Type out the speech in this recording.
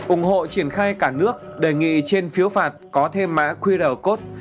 ủng hộ triển khai cả nước đề nghị trên phiếu phạt có thêm mã qr code